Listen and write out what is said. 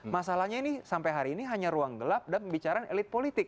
masalahnya ini sampai hari ini hanya ruang gelap dan pembicaraan elit politik